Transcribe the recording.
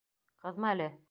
Ҡыҙма әле!